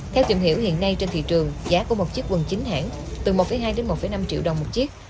theo tìm hiểu hiện nay trên thị trường giá của một chiếc quần chính hãng từ một hai đến một năm triệu đồng một chiếc